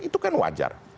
itu kan wajar